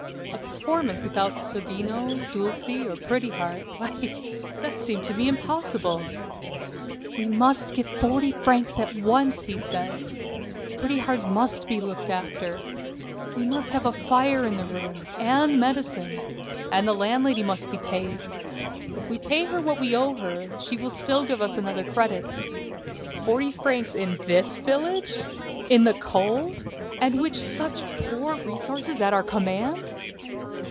A performance without Zerbino, Dulcie or Pretty Heart; why, that seemed to me impossible! "We must get forty francs at once," he said. "Pretty Heart must be looked after. We must have a fire in the room, and medicine, and the landlady must be paid. If we pay her what we owe her, she will give us another credit." Forty francs in this village! in the cold, and with such poor resources at our command!